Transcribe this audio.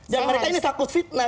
dan mereka ini takut fitnah